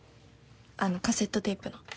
あのカセットテープの。